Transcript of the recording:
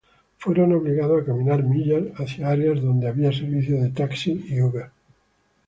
Fueron obligados a caminar millas hacia áreas donde había servicio de taxi y Uber.